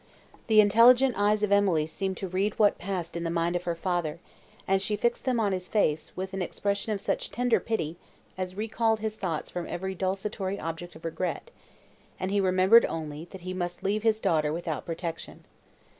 The intelligent eyes of Emily seemed to read what passed in the mind of her father, and she fixed them on his face, with an expression of such tender pity, as recalled his thoughts from every desultory object of regret, and he remembered only, that he must leave his daughter without protection.